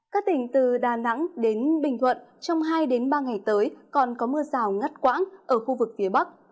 các tỉnh từ đà nẵng đến bình thuận trong hai ba ngày tới còn có mưa rào ngắt quãng ở khu vực phía bắc